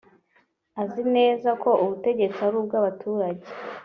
Azi neza ko ubutegetsi ari ubw’abaturage